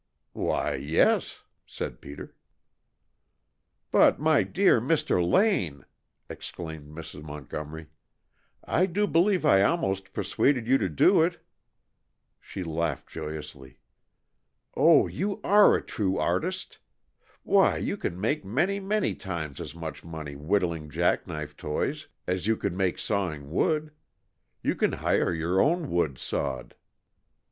_" "Why, yes," said Peter. "But, my dear Mr. Lane!" exclaimed Mrs. Montgomery. "I do believe I almost persuaded you to do it!" She laughed joyously. "Oh, you are a true artist! Why, you can make many, many times as much money whittling jack knife toys as you could make sawing wood! You can hire your own wood sawed."